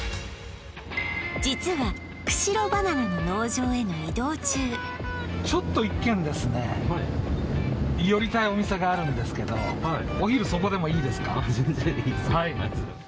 実は９４６バナナの農場への移動中ちょっと１軒ですねはい寄りたいお店があるんですけどはいあっ全然いいですよ